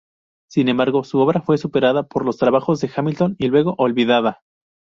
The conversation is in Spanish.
Sin embargo, su obra fue superada por los trabajos de Hamilton y luego olvidada.